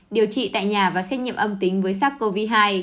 điều trị tại nhà và xét nghiệm âm tính với sars cov hai